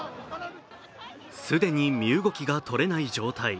既に身動きが取れない状態。